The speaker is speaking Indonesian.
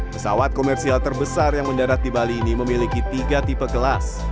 pesawat komersial terbesar yang mendarat di bali ini memiliki tiga tipe kelas